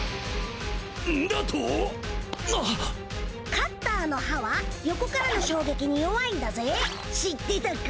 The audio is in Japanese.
カッターの刃は横からの衝撃に弱いんだぜ知ってたか？